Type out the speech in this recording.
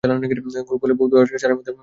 গোকুলের বউ দুয়ার ছাড়িযা ঘরের মধ্যে আসিল।